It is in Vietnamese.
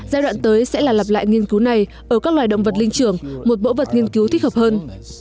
giai đoạn tới sẽ là lặp lại nghiên cứu này ở các loài động vật linh trưởng một bộ vật nghiên cứu thích hợp hơn